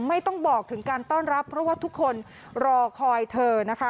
ไม่ต้องบอกถึงการต้อนรับเพราะว่าทุกคนรอคอยเธอนะคะ